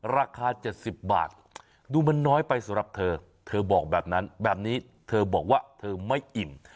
ราคา๗๐บาทดูมันน้อยไปสำหรับเธอเธอบอกแบบนั้นแบบนี้เธอบอกว่าเธอไม่อิ่ม